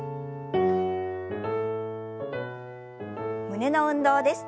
胸の運動です。